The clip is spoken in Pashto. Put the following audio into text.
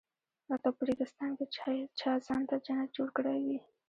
لکه په ریګستان کې چا ځان ته جنت جوړ کړی وي.